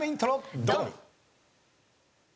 ドン！